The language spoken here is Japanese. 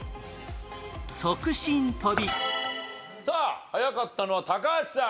さあ早かったのは高橋さん。